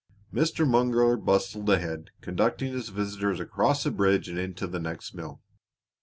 Mr. Munger bustled ahead, conducting his visitors across a bridge and into the next mill.